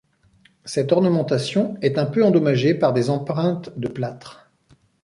Cette ornementation est un peu endommagée par des empreintes de plâtre.